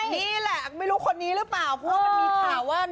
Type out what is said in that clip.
นี่แหละไม่รู้คนนี้รึเปล่า